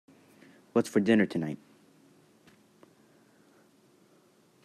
What's for dinner tonight?